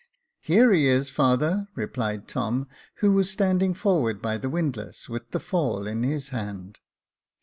" Here he is, father," replied Tom, who was standing forward by the windlass, with the fall in his hand.